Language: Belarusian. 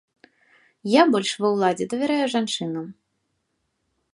Я больш ва ўладзе давяраю жанчынам.